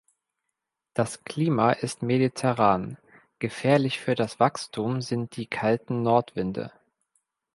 Das Klima ist mediterran, gefährlich für das Wachstum sind die kalten Nordwinde.